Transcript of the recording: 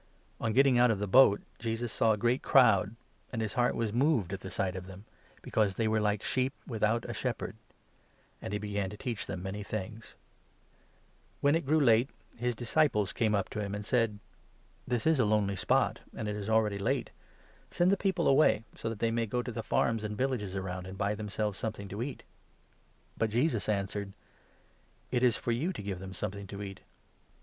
On getting out of the boat, Jesus saw a 34 great crowd, and his heart was moved at the sight of them, be cause they were ' like sheep without a shepherd '; and he began to teach them many things. When it grew 35 Josus •feeds ,...... J , t • j • i flve thousand Iate> '1IS disciples came up to him, and said : by the Lake "This is a lonely spot, and it is already late. of Gniiioe. §enj t]ie peOpie away, so that they may go to 36 the farms and villages around and buy themselves something to eat." But Jesus answered :" It is for you to give them something 37 to eat."